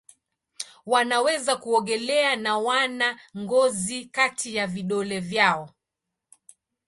Wanaweza kuogelea na wana ngozi kati ya vidole vyao.